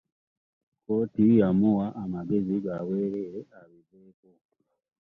Kkooti yamuwa amagezi ga bwereere abiveeko.